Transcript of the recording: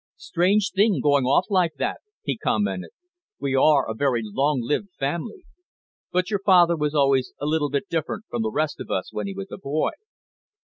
"Strange thing going off like that," he commented. "We are a very long lived family. But your father was always a little bit different from the rest of us when he was a boy."